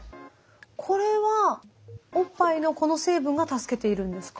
これはおっぱいのこの成分が助けているんですか？